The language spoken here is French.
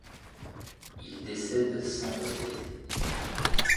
Il décède sans postérité.